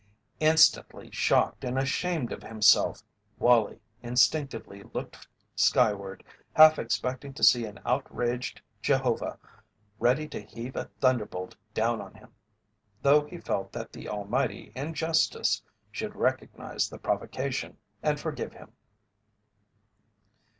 Instantly shocked and ashamed of himself, Wallie instinctively looked skyward, half expecting to see an outraged Jehovah ready to heave a thunderbolt down on him, though he felt that the Almighty in justice should recognize the provocation, and forgive him.